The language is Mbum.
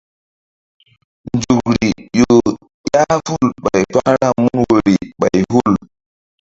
Nzukri ƴo ƴah ful ɓay kpakra mun woyri ɓay hul.